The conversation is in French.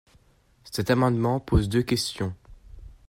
Cet amendement pose deux questions.